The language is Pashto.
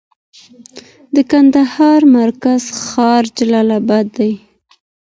د ننګرهار مرکزي ښار جلالآباد دی.